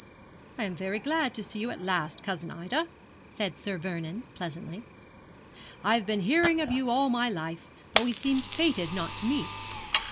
'I am very glad to see you at last, cousin Ida,' said Sir Vernon, pleasantly. 'I have been hearing of you all my life, but we seemed fated not to meet.'